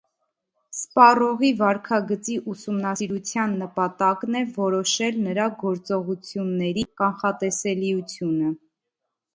Սպառողի վարքագծի ուսումնասիրության նպատակն է որոշել նրա գործողությունների կանխատեսելիությունը։